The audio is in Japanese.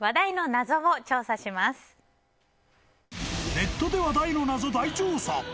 ネットで話題の謎、大調査。